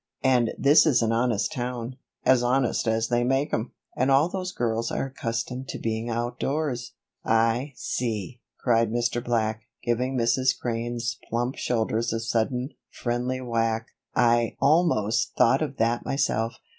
"And this is an honest town?" "As honest as they make 'em." "And all those girls are accustomed to being outdoors " "I see!" cried Mr. Black, giving Mrs. Crane's plump shoulders a sudden, friendly whack. "I almost thought of that myself.